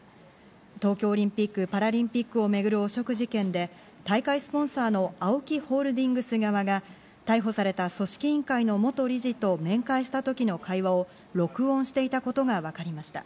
東京オリンピック・パラリンピックを巡る汚職事件で大会スポンサーのＡＯＫＩホールディングス側が逮捕された組織委員会の元理事と面会した時の会話を録音していたことがわかりました。